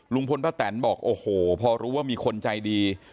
ลุงพลพระแตนบอกอ๋อโหพอรู้ว่ามีคนใจดี